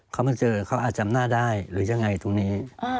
เขามาเจอเขาอาจจำหน้าได้หรือยังไงตรงนี้